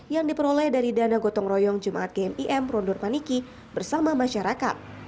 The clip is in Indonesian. yang diperoleh dari dana gotong royong jemaat gmim rondur paniki bersama masyarakat